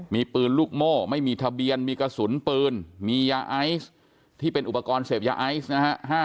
มีปืนลูกโม่ไม่มีทะเบียนมีกระสุนปืนมียาไอซ์ที่เป็นอุปกรณ์เสพยาไอซ์นะฮะ